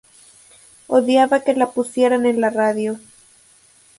Odiaba que la pusieran en la radio.